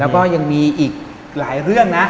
แล้วก็ยังมีอีกหลายเรื่องนะ